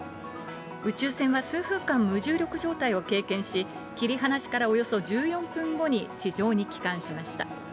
宇宙船は数分間、無重力状態を経験し、切り離しからおよそ１４分後に地上に帰還しました。